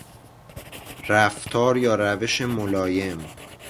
رفتار یا روش ملایم